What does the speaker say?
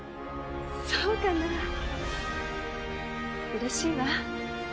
そうかなうれしいわ。